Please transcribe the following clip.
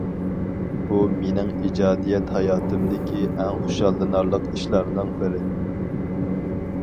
بۇ مېنىڭ ئىجادىيەت ھاياتىمدىكى ئەڭ خۇشاللىنارلىق ئىشلارنىڭ بىرى.